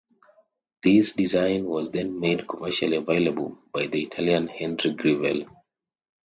This design was then made commercially available by the Italian Henry Grivel.